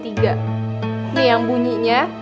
ini yang bunyinya